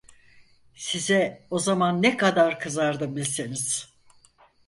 Size, o zaman ne kadar kızardım bilseniz!